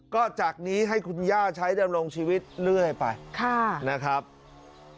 ก็จากนี้ให้คุณย่าใช้ดำรงชีวิตเรื่อยไปค่ะนะครับ